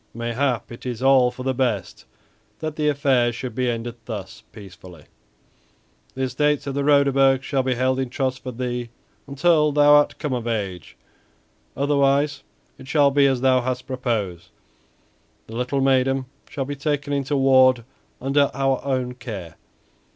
Mayhap it is all for the best that the affair should be ended thus peacefully. The estates of the Roderburgs shall be held in trust for thee until thou art come of age; otherwise it shall be as thou hast proposed, the little maiden shall be taken into ward under our own care.